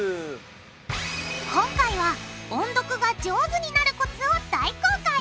今回は音読が上手になるコツを大公開！